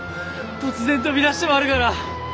突然飛び出してまるがら。